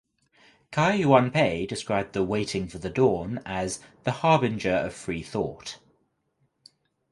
Cai Yuanpei described the "Waiting for the Dawn" as "the harbinger of free thought".